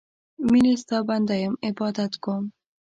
میینې ستا بنده یم عبادت کوم